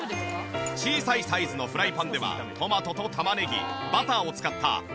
小さいサイズのフライパンではトマトと玉ねぎバターを使った笠原流の絶品ソースを。